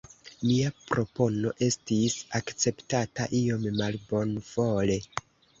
Mia propono estis akceptata iom malbonvole.